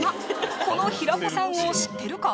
この平子さんを知ってるか？